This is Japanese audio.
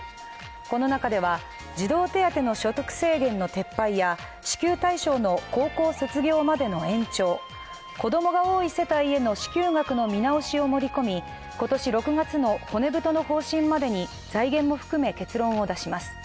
この中では、児童手当の所得制限の撤廃や支給対象の高校卒業までの延長、子どもが多い世帯への支給額の見直しを盛り込み今年６月の骨太の方針のまでに財源も含め、結論を出します。